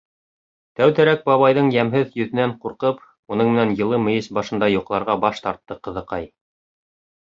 Тәүҙәрәк бабайҙың йәмһеҙ йөҙөнән ҡурҡып, уның менән йылы мейес башында йоҡларға баш тартты ҡыҙыҡай.